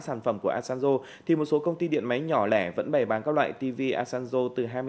sản phẩm của asanzo thì một số công ty điện máy nhỏ lẻ vẫn bày bán các loại tv asanzo từ hai mươi